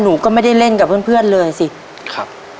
ทับผลไม้เยอะเห็นยายบ่นบอกว่าเป็นยังไงครับ